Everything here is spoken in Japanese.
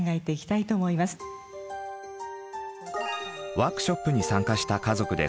ワークショップに参加した家族です。